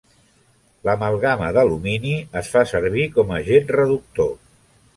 L'amalgama d'alumini es fa servir com agent reductor.